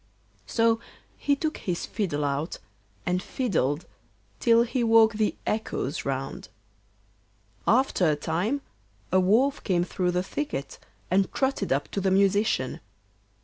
So he took his fiddle out, and fiddled till he woke the echoes round. After a time a wolf came through the thicket and trotted up to the musician.